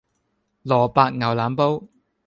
蘿蔔牛腩煲